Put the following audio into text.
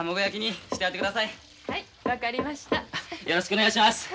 よろしくお願いします。